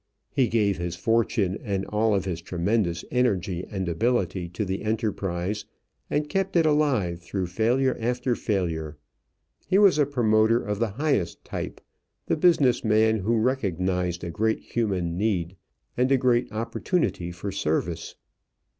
He gave his fortune and all of his tremendous energy and ability to the enterprise and kept it alive through failure after failure. He was a promoter of the highest type, the business man who recognized a great human need and a great opportunity for service.